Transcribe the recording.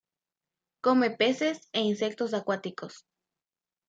Come peces e insectos acuáticos.